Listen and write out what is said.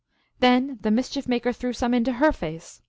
Then the Mischief Maker threw some into her face.